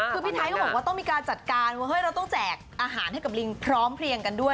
คือพี่ไทยก็บอกว่าต้องมีการจัดการว่าเฮ้ยเราต้องแจกอาหารให้กับลิงพร้อมเพลียงกันด้วย